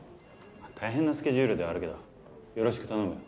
大変なスケジュールではあるけどよろしく頼むよ。